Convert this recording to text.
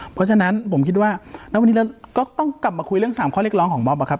เพราะฉะนั้นผมคิดว่าณวันนี้เราก็ต้องกลับมาคุยเรื่อง๓ข้อเรียกร้องของมอบอะครับ